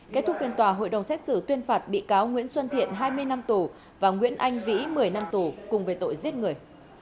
kết thúc phiên tòa hội đồng xét xử tuyên phạt bị cáo nguyễn xuân thiện hai mươi năm tù và nguyễn anh vĩ một mươi năm tù cùng về tội giết người